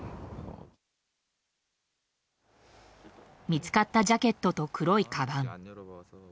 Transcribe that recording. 見つかったジャケットと黒いかばん。